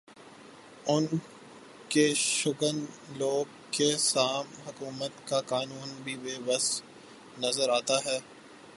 ان ق شکن لوگ کے سام حکومت کا قانون بھی بے بس نظر آتا ہے